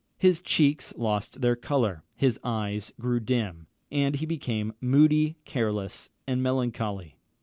His cheeks lost their colour his eyes grew dim; and he became moody, careless, and melancholy.